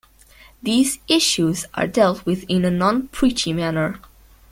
These issues are dealt with in a non-preachy manner.